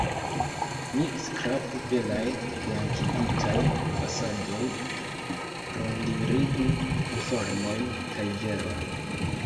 Ni skrapu belajn blankigitajn fasadojn, rondirigu informojn kaj veron!